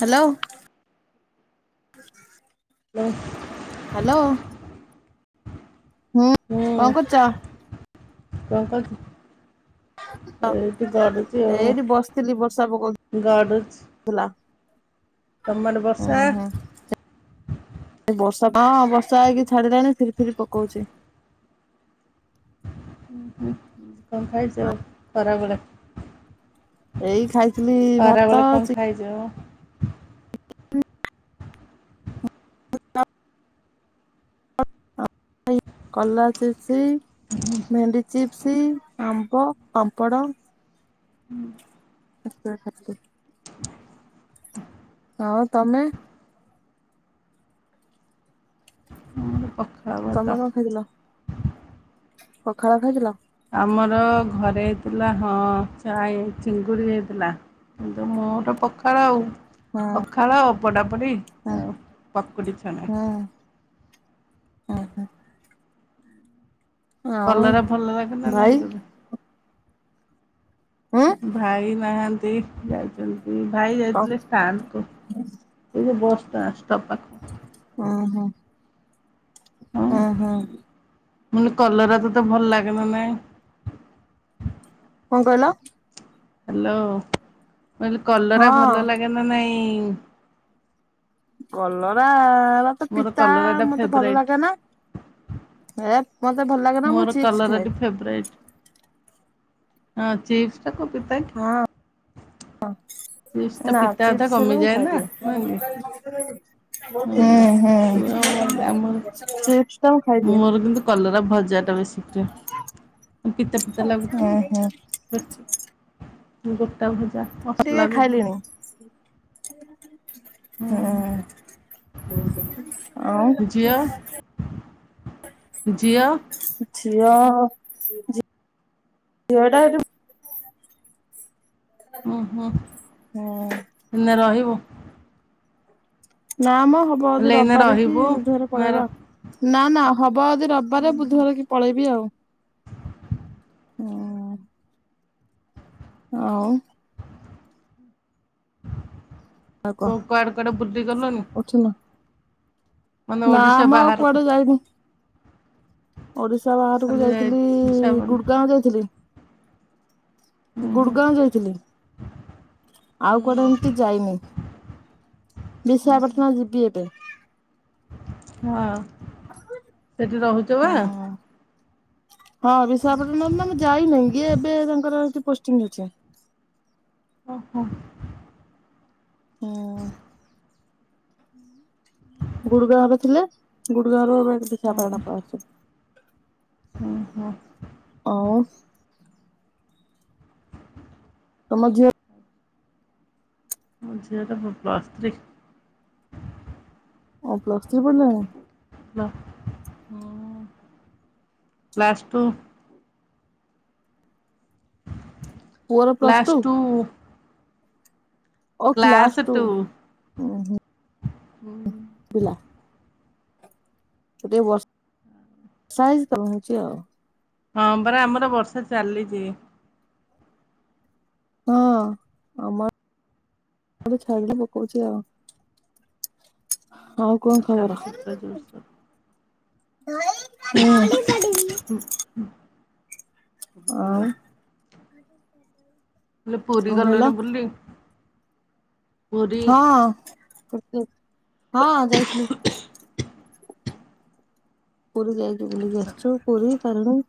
Hello. [inaudible] [inaudible] Hello ହୁଁ କଣ କରୁଛ? କଙ୍କ କରୁଚୁ। ଏଇଠି ଗଡୁଛି ଏଇଠି ବସିଥିଲି ବର୍ଷା ପକଉଥିଲା। ଆଉ ଗଡୁଛି। ତମ ଆଡେ ହୁଁ ବର୍ଷା। ହୁଁ ଏ ହଁ ବର୍ଷା ବର୍ଷା ହେଇକି ଛାଡିଲାଣି ଫିରି ଫିରି ପକଉଛି। କଣ ଖାଇଛ ଖରାବେଳେ ଏଇ ଖାଇଥିଲି ଭାତ ଚି କଲା ଚିପ୍ସ ଭେଣ୍ଡି ଚିପ୍ସ ଆମ୍ବ ପାମ୍ପଡ଼। ଏତିକି ଖାଇଥିଲି। ହଁ ତମେ। ତମେ କଣ ଖାଇଥିଲ ପଖାଳ ଖାଇଥିଲ। ଆମର ଘରେ ହେଇଥିଲା ହଁ ଚାଇଁ ଚିଙ୍ଗୁଡ଼ି ହେଇଥିଲା କିନ୍ତୁ ମୋର ପଖାଳ ଆଉ। ହଁ ପଖାଳ, ପୋଡାପୋଡ଼ି ହଁ ଆଉ ପକୁଡ଼ି ଛଣା! ହଁ ହଁ ଆଉ କଲରା ଭଲ ଲାଗ ନା ଭାଇ ନାଇଁ ତବେ। ଉଁ ଭାଇ ନାହା। ସେଫ୍ ଯାଇଛନ୍ତି। ଭାଇ ଉଁ ଯାଇଥିଲେ ଷ୍ଟାଣ୍ଡକୁ ଏଇ ଯୋଉ ବସ ଷ୍ଟା ଷ୍ଟପ୍ ପାଖକୁ ହଁ ହଁ। ମାନେ କଲରା ତତେ ଭଲ ଲାଗେନ ନାଇ? କଣ କହିଲ? ହ୍ୟାଲୋ। ବଲେ କଲରା ହଁ ଭଲ ଲାଗେ ନା ନାଇ? ହୁଁ। କଲରା। ତ ପିତା ମତେ ଭଲ ଲାଗେ ନା ଏ। ମତେ ଭଲ ଲାଗେ ନା ମୁଁ ଚିପ୍ସ ଖାଏ। ହଁ ଚିପ୍ସ୍। ହଁ ହ। ଚିପ୍ସଟା ପିତା ଅଧା କମିଯାଏ ନା ନ କି ହୁଁଛୁ ଆମ ଆମର ଚିପ୍ସ ଟା ମୁଁ ଖାଇଦିଏ। ମୋର କିନ୍ତୁ କଲରା ଭଜାଟା ବେଶୀ ପ୍ରିୟ ପିତା ପିତା ଲାଗୁଥିବ। ଗୋଟା ଭଜା ଟିକେ ଖାଇଲିଣି। ହଁ। ଜିଅ ଜିଅ। ଝିଅ ଝିଅଟା ଏଠ ହୁଁ ହୁଁ ହୁଁ ଦିନେ ରହିବ। ନାମ ହବ ଯଦି ରବିବାରେ କି ବୃଦ୍ଧୟରେ ପଳେଇବା ନା ନା ହବ ଯଦି ରବିବାରେ ବୁଧବାର କି ପଳେଇବି ଆଉ। ହଁ। ହଉ। ଆଉ କଣ କଡ କଡ ବୁଦ୍ଧି କଲନ। ଉଠିନ ନା ଆମ ଆଉ କୁଆଡେ ଯାଇନୁ। ଓଡିଶା ବାହାରକୁ ଯାଇଥିଲି ଗୁଡଗାଁ ଯାଇଥିଲି। ଗୁଡଗାଁ ଯାଇଥିଲି ଆଉ କୁଆଡେ ଏମିତି ଯାଇନି ବିଶାଖପାଟଣା ଯିବି ଏବେ। ହଁ। ସେଠି ରହୁଛ ବା। ହୁଁ। ହଁ ବିଶାଖାପାଟଣ ଆମେ ଯାଇନାହିଁ ଏବେ ତାଙ୍କର ପୋ ଅ। ଓ ହୋ। ହୁଁ ଗୁଡ ଗାଁରେ ଥିଲେ ଗୁଡ ଗାଁ ର ଦିଶାପଣସ ଓ ତମ ଯେ ଯେଅଟା ପ୍ଲସ୍ଷ୍ଟିକ ଅ ପ୍ଲସ୍ଥି ପ ନା ହ ପ୍ଲାସ୍ ଟୁ ପୁଅର plus class two class two. ହୁଁ ହୁଁ। ହୁଁ। ପିଲା। [unintelligible] ବର୍ଷା ହେଇଛି ତମ ହଉଛି ଆଉ। ହଁ ପରା ଆମର ବର୍ଷା ଚାଲିଛି। ହଁ ଆମ [unintelligible] ପକଉଛି ଆଉ। ଆଉ କଣ ଖବର? ପଡି [inaudible] ପୁରୀ କଣ କହିଲ ଗଲୁଣି ବୁଲି? ହଁ। ହୁଁ [inaudible] ହଁ ଯାଇଥିଲୁ। ପୁର ଯା [inaudible] ବୁଲିକି ଆସିଚୁ ପୁରୀ। ଚାଲୁ [unintelligible]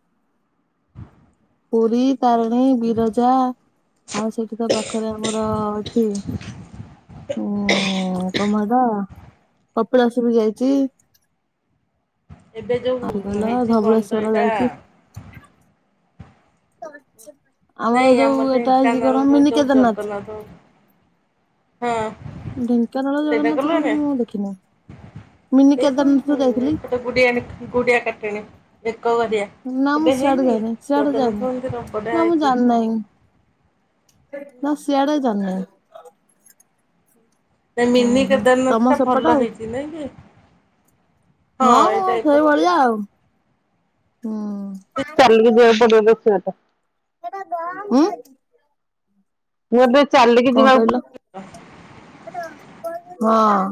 ପୁରୀ ତାରିଣୀ ବିରଜା ଆଉ ସେଇଠି ତ ପାଖରେ ଆମର ଅଛି ଉ କଣ ମ ହେଟା କପିଳାସ ଯାଇଛି। ଏବେ ଆହୁରି ଯୋଉଁ କହିଲ ହେଇଛି କଣ ତ ଏଇଟା? ଆଛା। ନାଇଁ ଆମର ଢେଙ୍କାନାଳ ମିନି ରଯୋଉ ଉ କେଦାରନାଥ ଜଗନ୍ନାଥ - ହଁ ଢେଙ୍କାନାଳ ଜଗନ୍ନାଥ କୋଉଠି ମୁଁ ଦେଖି ନାହିଁ ମିନି କେଦାରନାଥକୁ ଯାଇଥିଲି। ଦେଖ୍ ନା ମୁଁ ସିଆଡେ ଯାଇନି ସିଆଡେ ଯାଏନହିଁ ନା ମୁଁ ଜାଣି ନାହିଁ ନା ସିଆଡେ ଜାଣିନି। ମିନି ଓହୋ କେଦାରନାଥ ତମ ଟା ସେପଟ ଭଲ ଆଉ ହେଇଛି ଯେ ହଁ ଏଇଟା ଏ ପଟେ। ସେଇଭଳିଆ ଆଉ ହୁଁ। [unintelligible] ହୁଁ ମୁଁ ଏବେ ଚାଲିକି କଣ ଯିବାକୁ କହିଲ? ହଁ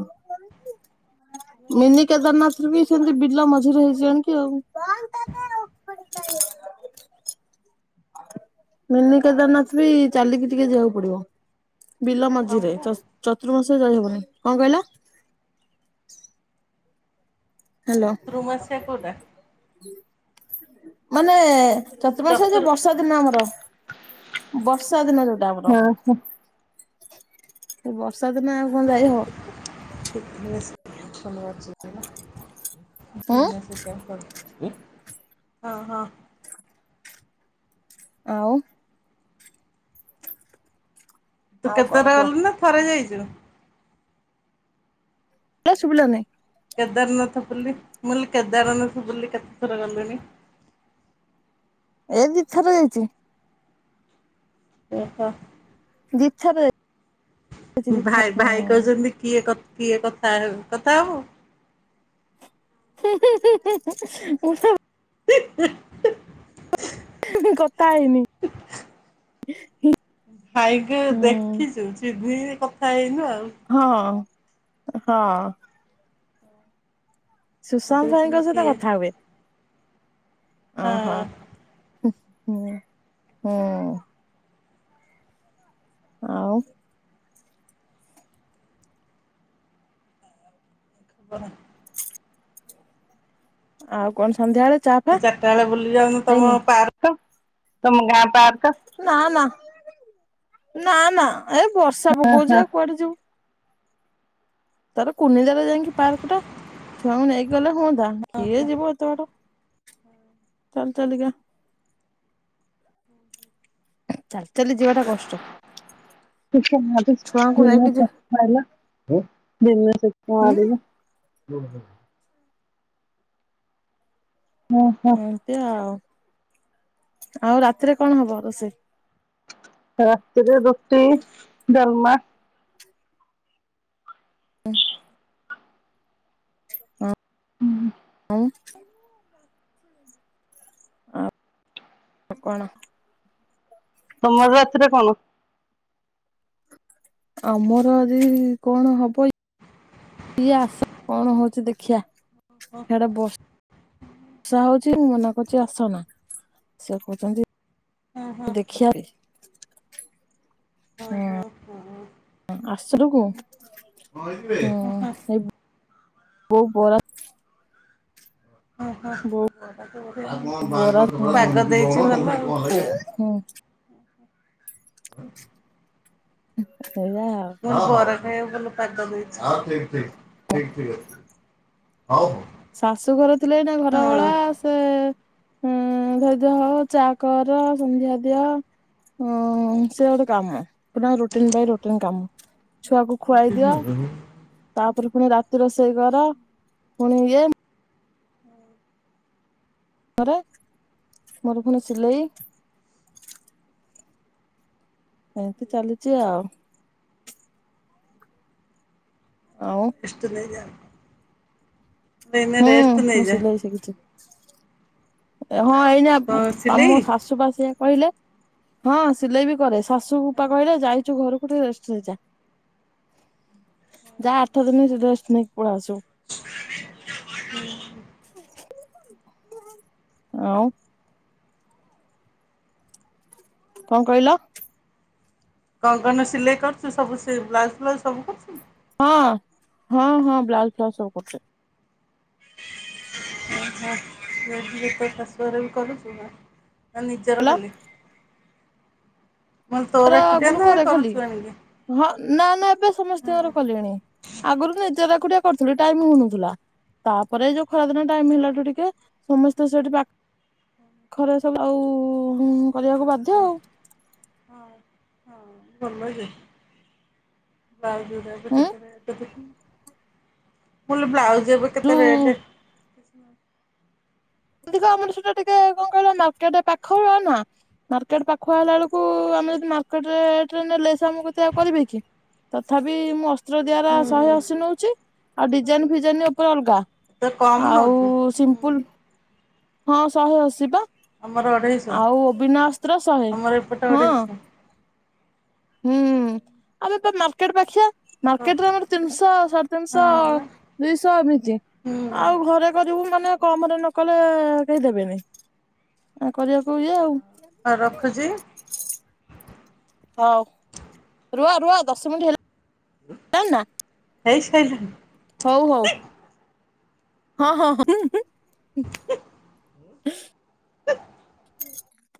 ମିନି କେଦାରନାଥ ବି ସେମତି ବିଲ ମଝିରେ ହେଇଛନ୍ତି ଆଉ ମିନି କେଦାରନାଥ ବି ଚାଲିକି ଟିକେ ଯିବାକୁ ପଡିବ। ବିଲ ମଝିରେ ଚତୁର୍ମାସ୍ୟା [unintelligible] କଣ କହିଲ? ହ୍ୟାଲୋ ର୍ମାସ୍ୟା କୋଉଟା? ମାନେ ଚତୁର୍ମାସ ଯୋଉ ବର୍ଷା ଦିନ ଆମର ବର୍ଷା ଦିନ ଯୋଉଟା ଆମର। ଏଇ ବର୍ଷା ଦିନେ ଆଉ କଣ ଯାଇ ହବ। [inaudible] ବିଜିନେସ ଉଁ ସେଇଥିପାଇଁ କରୁ ହଁ ହଁ। ଆଉ ତୁ ଆଉ କଣ କେତୋର କୁହ? ଗଲୁଣି ନା ଥରେ ଯାଇଚୁ? ଚି। ଲା ଶୁବିଲାନି? କେଦାରନାଥ ବୁଲି ମୁଁ କହିଲି କେଦାରନାଥ ବୁଲି କେତେଥର ଗଲିଣି। ଏ ଦିଇ ଥର ଯାଇଚି। ଓହୋ। ଦିଇ ଥର ଯା ଭାଇ ଭାଇ କୋହୁଚନ୍ତି କିଏ କଥ କିଏ କଥା ହେବେ କଥା ହୋବୁ ହୁଁ ହୁଁ ହୁଁ ହୁଁ ହୁଁ ଉଁ ହୁଁ। [unintelligible] କଥା ହେଇନି। ହିଁ ସାଇକେଲ୍ ଦେଖିଚୁ ସିଏ ଦିଏ। [unintelligible] କଥା ହେଇନୁ ଆ ହଁ। ହଁ। ସୁଶାନ୍ତ ଭାଇଙ୍କ ସହିତ କଥା ହୁଏ। ଓହୋ ହଁ ହଁ। ଆଉ ଖବର ଆଉ କଣ? ସନ୍ଧ୍ୟାବେଳେ ଚା ଫା ମୁଁ ଚାରିଟା ବେଳେ ବୁଲି ଯାଉନୁ ତମ ହେଇନି ପାର୍କ ତମ ନା ନା ନା ଏ ବର୍ଷା ପକଉଛି ଆଉ କୁଆଡେ ଯିବୁ। ତାର କୁନିଦାରେ ଯାଇକି ପାର୍କ ଟା ଛୁଆଙ୍କୁ ନେଇକି ଗଲେ ହୁଅନ୍ତା କିଏ ଯିବ ଏତେର ଚାଲ ଚାଲିିକା ଚାଲି ଚାଲି ଯିବା ଟା କଷ୍ଟ ଭଲା ଛୁଆଙ୍କୁ ନେଇକି ଯି ଭନ ଆାରିଲ। ଉଁ ହୁଁ ହୁଁ। ଏତି ଆଉ। ଆଉ ରାତିରେ କଣ ହବ ରୋଷେଇ ରାତିରେ ରୋଟି ଜଲମା [inaudible] ହଁ। [inaudible] ଆ କ କଣ। ତମର ରାଥିରେ କଣ ଆମର ଏଦ କଣ ହବ ଏ ଆସ କଣ ହଉଛି ଦେଖିବା। ସେଇଟା ବହୁସ୍ ଆଷା ହଉଛି ମୁଁ ମନା କରୁଛି ଆସନା ସେ କହୁଛନ୍ତି। ଦେଖିବା। ହ ହୋ ହୋ। ଆସରୁ କୁ ହିବ ବ ପରା ବୋଉ ବରା ହୁଁ ଦେଇ ହୁଁ ହଁ। [inaudible] ଇଦା ହଁ ଠିକ ଠିକ ଠିକ ଠିକ ଅଛି। ଶାଶୁ ଘର ଥିଲେ ନା ଘର ଭଳା ସେ ଉଁ ଧଯ୍ୟ ହ ଚା କର ସନ୍ଧ୍ୟା ଦିଅ ଉ ସେ ଗୋଟେ କାମ ପୁର ରୁଟିନ ପାଇଁ ରୁଟିନ କାମ ଛୁଆକୁ ଖୁଆଇ ଦିଅ ତାପରେ ପୁଣି ରାତି ରୋଷେଇ କର ପୁଣି ଏ ମୋର ପୁଣି ସିଲେଇ ଏମିତି ଚାଲିଛି ଆଉ। ଆଉ ଏଷ୍ଟନ ଯ ହୁଁ ମୁଁ ସିଲେଇ ଶିଖିଛି। ହଁ ଏଇନା ଆମ ଶାଶୁ ବାସ କହିଲେ। ହଁ ସିଲେଇ ବି କରେ ଶାଶୁ କପା କହିଲେ ଯାଇଛୁ ଘରକୁ ଟିକେ ରେଷ୍ଟ ହେଇଯା ଯା ଆଠ ଦିନ ରେଷ୍ଟ ନେଇକି ପଳ ଆସୁ ଆଉ କଣ କହିଲ। କଣ କଣ ସିଲେଇ କରୁଛୁ ସବୁ ବ୍ଲାଉଜ ଫ୍ଲାଉଜ ସବୁ କରୁଛୁ। ହଁ ହଁ ହଁ ବ୍ଲାଉଜ ଫଉଜ ସବୁ କରଟେ ଆଛ ତ ଶାଶୁଆରେ ବି କରୁଛୁ। ନା ନିଜର କହିଲ ଖାଲି। ତାର ଆଗରୁ କରେ ଖାଲି ହଁ ନା ନା ଏବେ ସମସ୍ତଙ୍କର କଲେଣି ଆଗରୁ ନିଜର ଏକୁଟିଆ କରୁଥିଲି ଟାଇମ ହଉନଥିଲା ତାପରେ ଯୋଉ ଖରାଦିନ ଟାଇମ୍ ହେଲାଠୁ ଟିକେ ସମସ୍ତେ ସେଠି ପାଖ୍ ଖରେ ସବୁ ଆଉ କରିବାକୁ ବାଧ୍ୟ ଆଉ। ହଁ [unintelligible] ବାବୁ [unintelligible] ଉଁ ଫୁଲ୍ ବ୍ଲାଉଜ୍ ଏବେ କେତେ ଯୋଉ ରେଟେ ଖ ଆମର ସେଟା ଟିକେ କଣ କହିଲ ମାର୍କେଟ୍ ପାଖଅ ନା ମାର୍କେଟ୍ ପାଖୁଆ ହେଲା ଏଳକୁ ଆମେ ଯଦି ମାର୍କେଟ୍ ରେଟ୍ ନେଲେ ସେଆମ କତିରେ ଆଉ କରିବେ କି ତଥାପି ମୁଁ ଅତ୍ର ଦିଆରା ଶହେଅଶି ନଉଚି ଆଉ ଡିଜାଇନ୍ ଫିଜାଇନ୍ ଉପରେ ଅଲଗା ଆଉ ସିମ୍ପୂଲ୍ ହଁ ଶହେଅଶି ବା। ଆଉ ବିନା ଅସ୍ତ୍ର ଶହେ ହଁ। ହୁଁ ଆମେ ପା ମାର୍କେଟ୍ ପାଖିଆ। ମାର୍କେଟ୍ ରେ ଆମର ତିନିଶଅ ସାଢେ ତିନିଶଅ ଦୁଇଶ ଏମିତି ଆଉ ଘରେ କରିବୁ ମାନେ କମ ରେ ନ କଲେ କରିଆକୁ କେହି ଦେବେନି ଆ କରିବାକୁ ଇଏ ଆଉ। ଆଉ ରଖୁଛି। ହଉ ରୁହ ରୁହ ଦଶ ମିନିଟ୍ ହେଲା। ନା ନା ହେଇ ସେଇ ଯାଇ ହଉ ହଉ। ହଁ ହଁ। ହୁଁ। [unintelligible] [unintelligible]